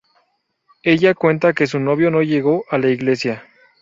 Ella cuenta que su novio no llegó a la iglesia.